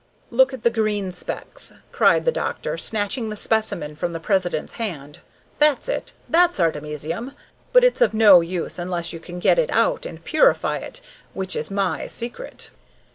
"Look at the green specks!" cried the doctor, snatching the specimen from the president's hand. "That's it! That's artemisium! But it's of no use unless you can get it out and purify it, which is my secret!"